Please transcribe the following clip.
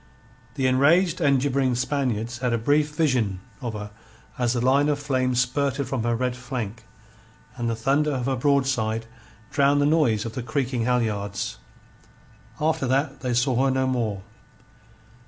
The enraged and gibbering Spaniards had a brief vision of her as the line of flame spurted from her red flank, and the thunder of her broadside drowned the noise of the creaking halyards. After that they saw her no more.